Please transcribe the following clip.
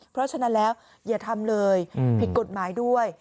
เพราะฉะนั้นแล้วอย่าทำเลยผิดกฎหมายด้วย